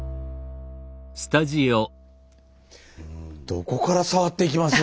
どこから触っていきます？